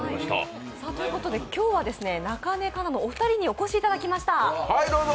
今日は、なかねかなのお二人にお越しいただきました。